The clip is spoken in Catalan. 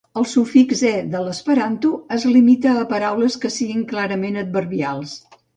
El sufix "-e" de l'esperanto es limita a paraules que siguin clarament adverbials.